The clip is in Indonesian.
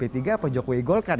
apakah jokowi golkar